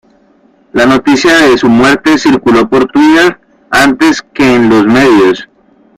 La noticia de su muerte circuló por Twitter antes que en los medios.